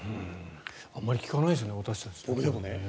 あまり聞かないですね私たち。